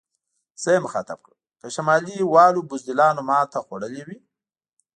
زه یې مخاطب کړم: که شمالي والو بزدلانو ماته خوړلې وي.